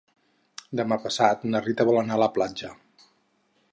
Demà passat na Rita vol anar a la platja.